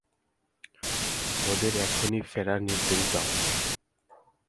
ওদের এখনই ফেরার নির্দেশ দাও।